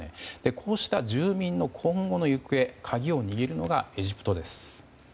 こうした住民の今後の行方鍵を握るのがエジプトです。